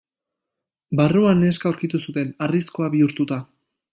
Barruan neska aurkitu zuten, harrizkoa bihurtuta.